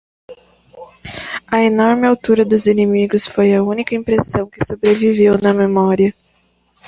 A enorme altura dos inimigos foi a única impressão que sobreviveu na memória.